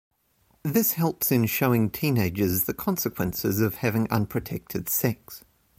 This helps in showing teenagers the consequences of having unprotected sex.